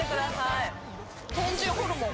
天神ホルモン